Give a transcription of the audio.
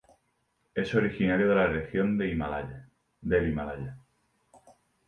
Es originario de la región del Himalaya.